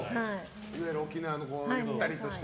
いわゆる沖縄のゆったりとした。